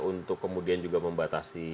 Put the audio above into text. untuk kemudian juga membatasi